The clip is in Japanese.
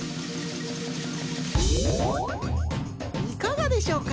いかがでしょうか？